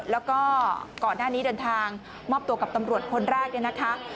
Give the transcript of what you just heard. แล้วก็ก่อนหน้านี้เดินทางมอบตัวกับตำรวจคนแรก